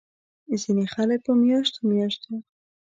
ځينې خلک پۀ مياشتو مياشتو